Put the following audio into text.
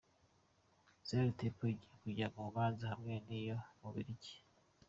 Zion Temple igiye kujya mu manza hamwe n’iyo mu Bubiligi.